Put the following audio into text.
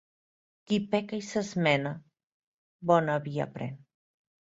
Qui peca i s'esmena, bona via pren.